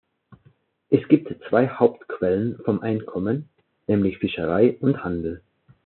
Es gibt zwei Hauptquellen vom Einkommen, nämlich Fischerei und Handel.